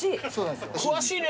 詳しいね。